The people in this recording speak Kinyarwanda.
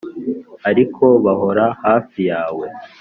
ariko bahora hafi yawe.